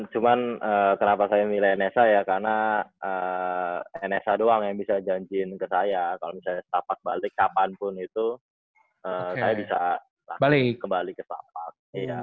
cuman kenapa saya milih nsa ya karena nsa doang yang bisa janjiin ke saya kalau misalnya setapak balik kapanpun itu saya bisa kembali ke setapak